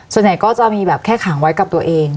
ส่วนใหญ่ก็จะมีแบบแค่ขังไว้กับตัวเอง